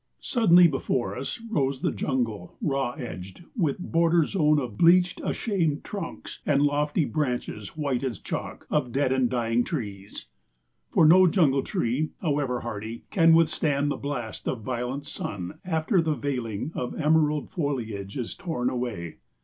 Suddenly before us rose the jungle, raw edged, with border zone of bleached, ashamed trunks and lofty branches white as chalk, of dead and dying trees. For no jungle tree, however hardy, can withstand the blasting of violent sun after the veiling of emerald foliage is torn away.